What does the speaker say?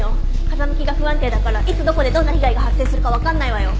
風向きが不安定だからいつどこでどんな被害が発生するかわかんないわよ。